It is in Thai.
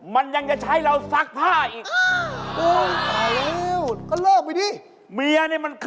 มันยังจะใช้เราซักผ้าอีก